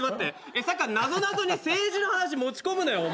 さっきからなぞなぞに政治の話持ち込むなよ。